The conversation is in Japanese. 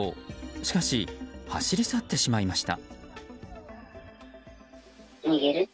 しかし走り去ってしまいました。